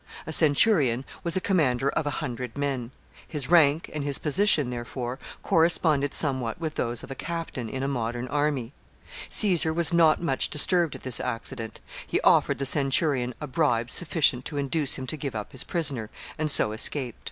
A centurion was a commander of a hundred men; his rank and his position therefore, corresponded somewhat with those of a captain in a modern army. Caesar was not much disturbed at this accident. He offered the centurion a bribe sufficient to induce him to give up his prisoner, and so escaped.